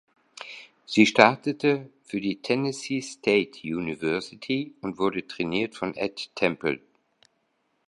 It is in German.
Sie startete für die Tennessee State University und wurde trainiert von Ed Temple.